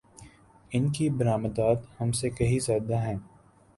ان کی برآمدات ہم سے کہیں زیادہ ہیں۔